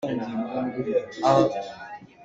Aa domi kha ral an i rem cang.